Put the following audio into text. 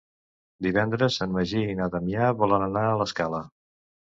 Divendres en Magí i na Damià volen anar a l'Escala.